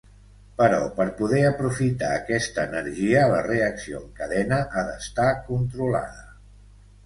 Però, per poder aprofitar aquesta energia, la reacció en cadena ha d'estar controlada.